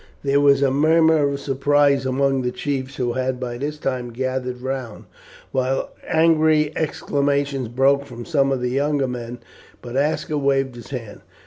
There was a murmur of surprise among the chiefs who had by this time gathered round, while angry exclamations broke from some of the younger men; but Aska waved his hand.